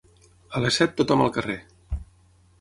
A les set tothom al carrer.